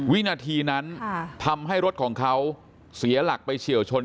วินาทีนั้นทำให้รถของเขาเสียหลักไปเฉียวชน